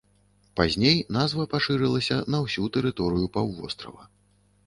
Пазней назва пашырылася на ўсю тэрыторыю паўвострава.